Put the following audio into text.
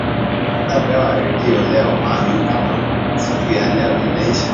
Maana kama siku ya leo inaisha